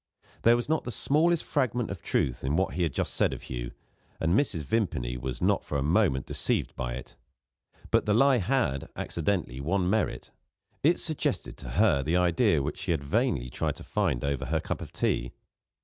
There was not the smallest fragment of truth in what he had just said of Hugh, and Mrs. Vimpany was not for a moment deceived by it. But the lie had, accidentally, one merit it suggested to her the idea which she had vainly tried to find over her cup of tea.